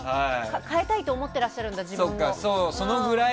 変えたいと思ってらっしゃるんだ、自分が。